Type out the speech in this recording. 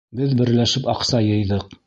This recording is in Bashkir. Беҙ берләшеп, аҡса йыйҙыҡ.